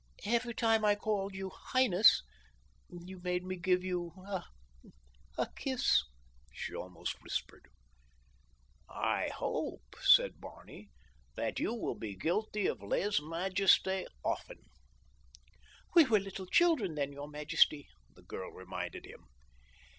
"Every time I called you 'highness' you made me give you a—a kiss," she almost whispered. "I hope," said Barney, "that you will be guilty of lese majeste often." "We were little children then, your majesty," the girl reminded him.